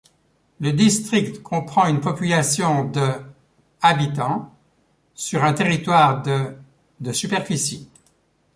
Le district comprend une population de habitants sur un territoire de de superficie.